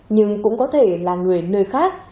nhưng cũng có thể là người nơi khác